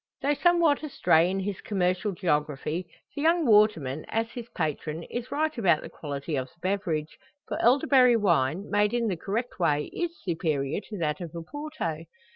Though somewhat astray in his commercial geography, the young waterman, as his patron, is right about the quality of the beverage; for elderberry wine, made in the correct way, is superior to that of Oporto.